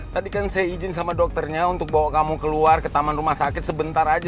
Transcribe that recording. tadi kan saya izin sama dokternya untuk bawa kamu keluar ke taman rumah sakit sebentar aja